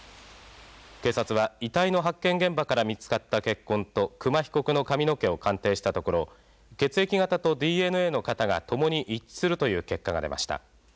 警察は遺体の発見現場から見つかった血痕と久間被告の髪の毛を鑑定したところ血液型とＤＮＡの型が共に一致するという結果が出ました。